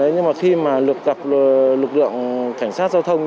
nhưng mà khi mà lực lượng cảnh sát giao thông